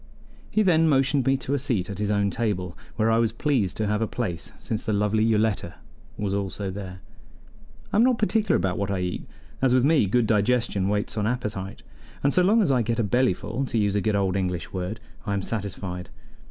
He then motioned me to a seat at his own table, where I was pleased to have a place since the lovely Yoletta was also there. I am not particular about what I eat, as with me good digestion waits on appetite, and so long as I get a bellyful to use a good old English word I am satisfied.